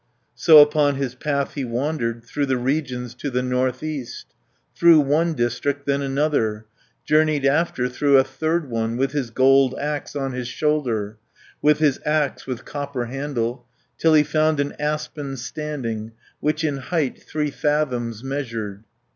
So upon his path he wandered Through the regions to the north east, 20 Through one district, then another, Journeyed after through a third one, With his gold axe on his shoulder, With his axe, with copper handle, Till he found an aspen standing, Which in height three fathoms measured.